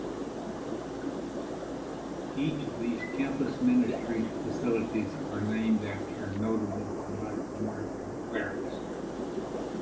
Each of these campus ministry facilities are named after notable Black American clerics.